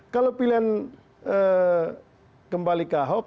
kalau pilihan kembali ke ahok